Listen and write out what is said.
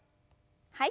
はい。